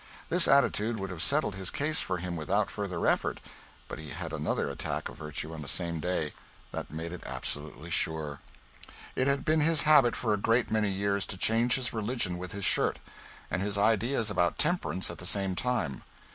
This attitude would have settled his case for him without further effort, but he had another attack of virtue on the same day, that made it absolutely sure. It had been his habit for a great many years to change his religion with his shirt, and his ideas about temperance at the same time.